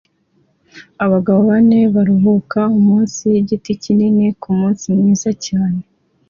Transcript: Abagabo bane baruhuka munsi yigiti kinini kumunsi mwiza cyane